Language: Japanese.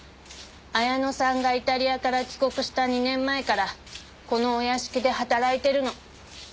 彩乃さんがイタリアから帰国した２年前からこのお屋敷で働いてるの。